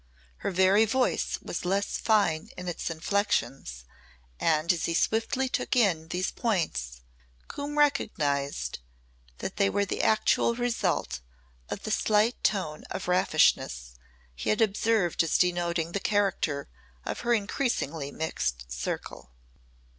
Her very voice was less fine in its inflections and as he swiftly took in these points Coombe recognised that they were the actual result of the slight tone of raffishness he had observed as denoting the character of her increasingly mixed circle.